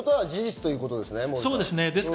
そうですね。